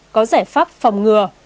có giải pháp phòng ngừa